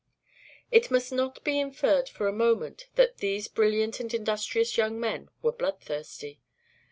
It must not be inferred for a moment that these brilliant and industrious young men were bloodthirsty.